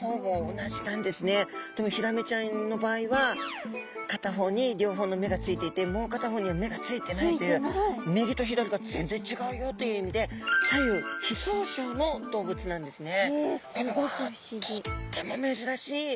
でもヒラメちゃんの場合は片方に両方の目がついていてもう片方には目がついてないという右と左が全然ちがうよという意味で左右非相称の動物なんですね。